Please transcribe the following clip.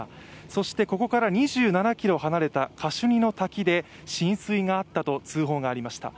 そしてここから２７ｋｍ離れたカシュニの滝で浸水があったと通報がありました。